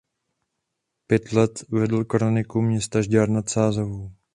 Pět let vedl kroniku města Žďár nad Sázavou.